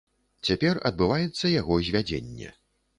Цяпер адбываецца яго звядзенне.